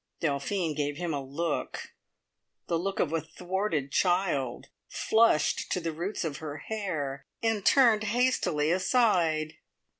Delphine gave him a look, the look of a thwarted child, flushed to the roots of her hair, and turned hastily aside.